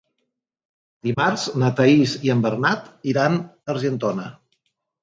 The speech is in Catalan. Dimarts na Thaís i en Bernat iran a Argentona.